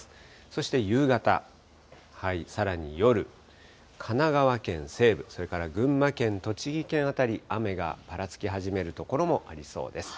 そして夕方、さらに夜、神奈川県西部、それから群馬県、栃木県辺り、雨がぱらつき始める所もありそうです。